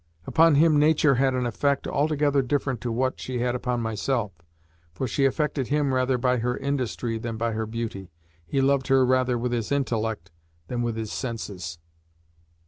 Upon him Nature had an effect altogether different to what she had upon myself, for she affected him rather by her industry than by her beauty he loved her rather with his intellect than with his senses.